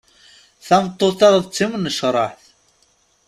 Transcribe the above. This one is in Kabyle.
Tameṭṭut-a d timnecreḥt.